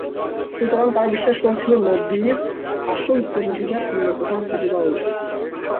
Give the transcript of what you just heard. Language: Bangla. সুতরাং তারা বিশ্বাস করেছিল, নবীর আসল উত্তরাধিকার অন্য কোথাও খুঁজে পাওয়া উচিত।